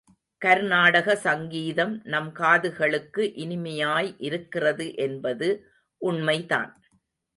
கர்நாடக சங்கீதம் நம் காதுகளுக்கு இனிமையாய் இருக்கிறது என்பது உண்மைதான்.